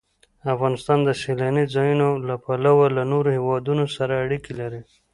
افغانستان د سیلانی ځایونه له پلوه له نورو هېوادونو سره اړیکې لري.